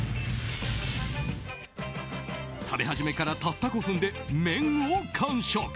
食べ始めから、たった５分で麺を完食。